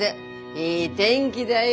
いい天気だよ！